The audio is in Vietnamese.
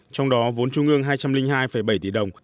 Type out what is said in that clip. trong đó vốn trung ương hai trăm linh hai bảy tỷ đồng